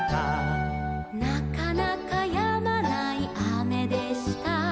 「なかなかやまないあめでした」